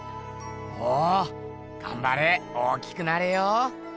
おおがんばれ大きくなれよ！